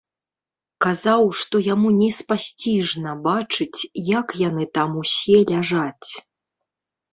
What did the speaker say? Казаў, што яму неспасціжна бачыць, як яны там усе ляжаць.